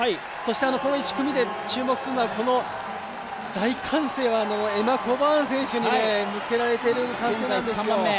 この１組、注目をするのは、大歓声はエマ・コバーン選手に向けられているんですよ。